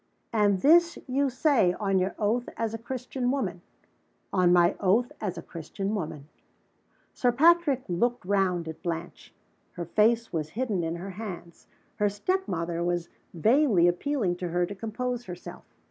"And this you say, on your oath as a Christian woman?" "On my oath as a Christian woman." Sir Patrick looked round at Blanche. Her face was hidden in her hands. Her step mother was vainly appealing to her to compose herself.